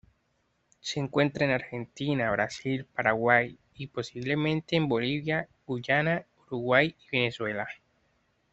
Se encuentra en Argentina, Brasil, Paraguay y, posiblemente en Bolivia, Guyana, Uruguay y Venezuela.